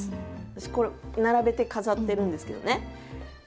私これ並べて飾ってるんですけどね。